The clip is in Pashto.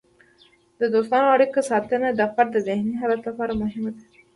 د دوستانه اړیکو ساتنه د فرد د ذهني حالت لپاره مهمه ده.